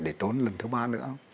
để trốn lần thứ ba nữa